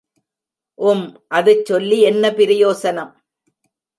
ஊம் அதெச் சொல்லி யென்ன பிரயோசனம்?